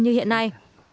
như hiện nay